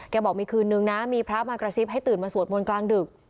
บอกมีคืนนึงนะมีพระมากระซิบให้ตื่นมาสวดมนต์กลางดึก